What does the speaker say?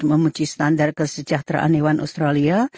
memuji standar kesejahteraan hewan australia